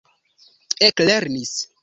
eklernis